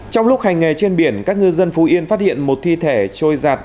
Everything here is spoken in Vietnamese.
trong lúc hành nghề trên biển các ngư dân phú yên phát hiện một thi thể trôi giặt